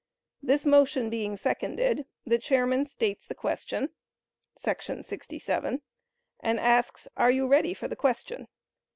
This motion being seconded, the Chairman states the question [§ 67] and asks, "Are you ready for the question?"